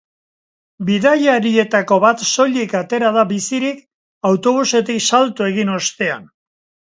Bidaiarietako bat soilik atera da bizirik, autobusetik salto egin ostean.